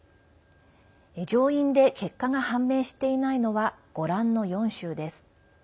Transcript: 上院で結果が判明していないのはご覧の４州です。